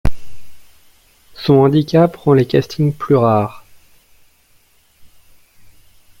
Son handicap rend les castings plus rares.